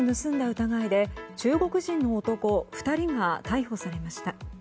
疑いで中国人の男２人が逮捕されました。